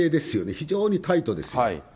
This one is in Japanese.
非常にタイトですよ。